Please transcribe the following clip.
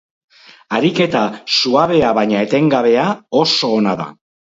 Ariketa suabea baina etengabea oso ona da.